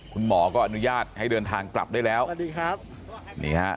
คุณหมอก็อนุญาตให้เดินทางกลับได้แล้วสวัสดีครับนี่ฮะ